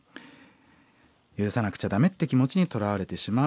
許さなくちゃ駄目って気持ちにとらわれてしまう。